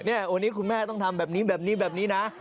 วันนี้คุณแม่ต้องทำแบบนี้แบบนี้แบบนี้นะ